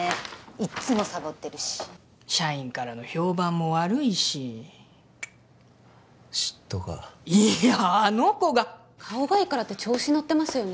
いっつもサボってるし社員からの評判も悪いし嫉妬かいやあの子が顔がいいからって調子乗ってますよね